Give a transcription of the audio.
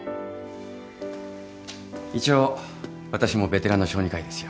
一応私もベテランの小児科医ですよ。